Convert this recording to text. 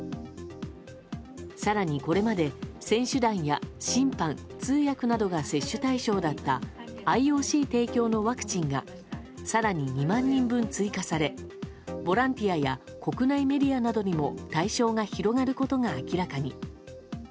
更に、これまで選手団や審判、通訳などが接種対象だったＩＯＣ提供のワクチンが更に２万人分追加されボランティアや国内メディアなどにも対象が広がることが明らかに。